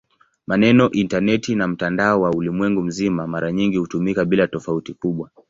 Maneno "intaneti" na "mtandao wa ulimwengu mzima" mara nyingi hutumika bila tofauti kubwa.